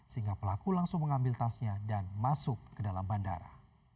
sehingga pelaku langsung mengambil tasnya dan masuk ke dalam bandara